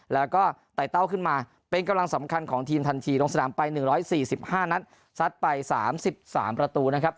แล้วก็ไต่เต้าขึ้นมาเป็นกำลังสำคัญของทีมทันทีลงสนามไป๑๔๕นัดซัดไป๓๓ประตูนะครับ